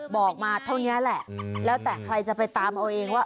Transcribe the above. บอกมาเท่านี้แหละแล้วแต่ใครจะไปตามเอาเองว่า